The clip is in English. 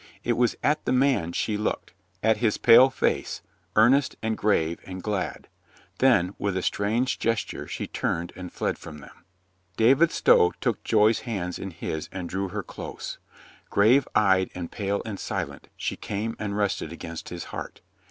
It was at the man she looked, at his pale face, earnest and grave .and glad. Then, with a strange gesture she turned and fled from them. David Stow took Joy's hands in his and drew her close. Grave eyed and pale and silent, she came and rested against his heart.